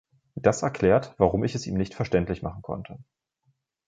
Das erklärt, warum ich es ihm nicht verständlich machen konnte.